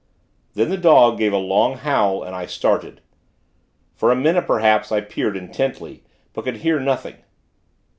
Then the dog gave a long howl, and I started. For a minute, perhaps, I peered, intently; but could hear nothing.